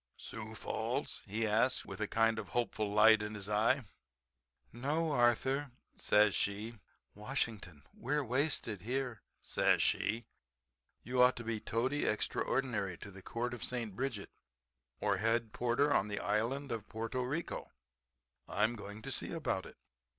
"Sioux Falls?" he asks with a kind of hopeful light in his eye. "No, Arthur," says she, "Washington. We're wasted here," says she. "You ought to be Toady Extraordinary to the Court of St. Bridget or Head Porter of the Island of Porto Rico. I'm going to see about it."